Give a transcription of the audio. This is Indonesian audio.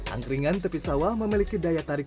angkringan tepi sawah memiliki daya tarik